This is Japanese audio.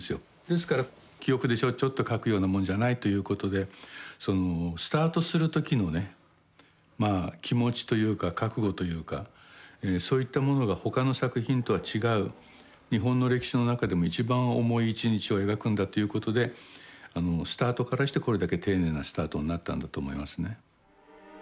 ですから記憶でちょっちょっと書くようなもんじゃないということでそのスタートする時のねまあ気持ちというか覚悟というかそういったものが他の作品とは違う日本の歴史の中でも一番重い一日を描くんだということでスタートからしてこれだけ丁寧なスタートになったんだと思いますね。